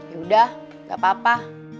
yaudah gak apa apa